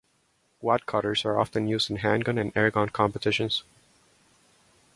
Wadcutters are often used in handgun and airgun competitions.